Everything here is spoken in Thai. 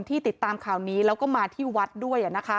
ติดตามข่าวนี้แล้วก็มาที่วัดด้วย